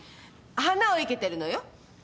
花を生けてるのよ。